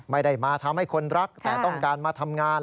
ไม่ได้มาทำให้คนรักแต่ต้องการมาทำงาน